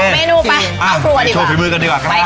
ไปก่อนด้วยก่อนดีกว่าครับไปค่ะ